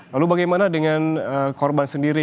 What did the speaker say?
lalu bagaimana dengan korban sendiri